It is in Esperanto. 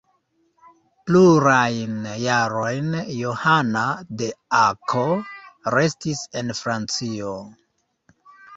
Plurajn jarojn Johana de Akko restis en Francio.